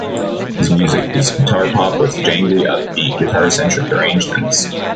His music is guitar pop with jangly, upbeat, guitar-centric arrangements.